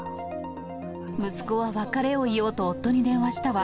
息子は別れを言おうと夫に電話したわ。